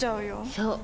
そう。